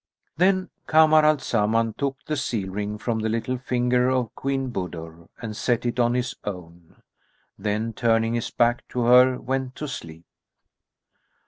Then Kamar al Zaman took the seal ring from the little finger of Queen Budur and set it on his own; then, turning his back to her, went to sleep.